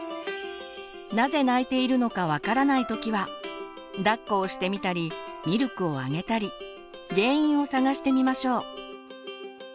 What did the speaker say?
なぜ泣いているのか分からない時はだっこをしてみたりミルクをあげたり原因を探してみましょう。